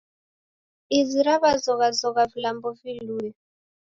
Izi raw'azoghazogha vilambo vilue